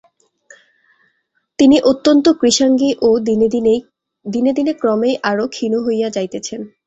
তিনি অত্যন্ত কৃশাঙ্গী ও দিনে দিনে ক্রমেই আরো ক্ষীণ হইয়া যাইতেছেন।